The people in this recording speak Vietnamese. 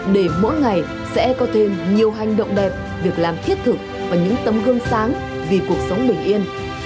để mỗi ngày sẽ có thêm nhiều hành động đẹp việc làm thiết thực và những tấm gương sáng vì cuộc sống bình yên